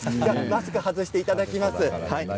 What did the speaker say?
マスク外していただきます。